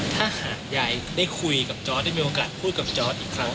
ถ้าหากยายได้คุยกับจอร์ดได้มีโอกาสพูดกับจอร์ดอีกครั้ง